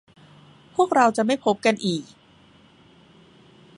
พวกเราจะไม่พบกันอีก